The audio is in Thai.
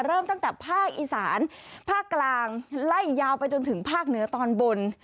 เริ่มตั้งแต่ภาคอีสานภาคกลางไล่ยาวไปจนถึงภาคเหนือตอนบน